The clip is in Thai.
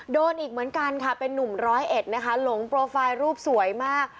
โดนอีกเหมือนกันค่ะเป็นนุ่มร้อยเอ็ดนะคะหลงโปรไฟล์รูปสวยมาก